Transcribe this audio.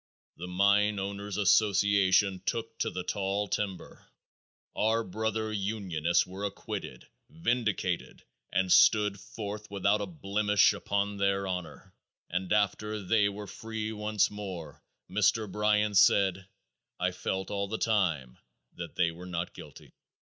The Mine Owners' Association took to the tall timber. Our brother unionists were acquitted, vindicated, and stood forth without a blemish upon their honor, and after they were free once more, Mr. Bryan said, "I felt all the time that they were not guilty."